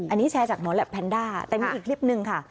อันนี้แชร์จากหมอแหลปแพนด้าแต่มีอีกคลิปหนึ่งค่ะ